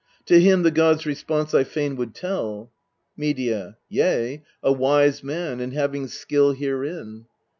To him the god's response I fain would tell. Medea. Yea a wise man, and having skill herein.